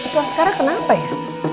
tua sekarang kenapa ya